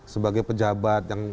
sebagai pejabat yang